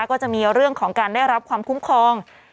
ก็จะมีเรื่องของการได้รับความคุ้มครอง